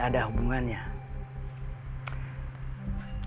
apa mungkin semua kejadian ini